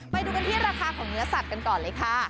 ไปดูกันที่ราคาของเนื้อสัตว์กันก่อนเลยค่ะ